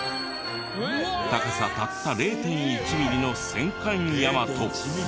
高さたった０．１ミリの戦艦大和。